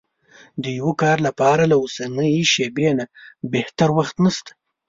د يوه کار لپاره له اوسنۍ شېبې نه بهتر وخت نشته.